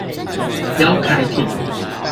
標楷體